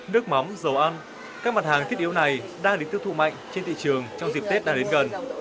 nước mắm dầu ăn các mặt hàng thiết yếu này đang được tiêu thụ mạnh trên thị trường trong dịp tết đang đến gần